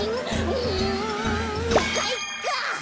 うんかいか！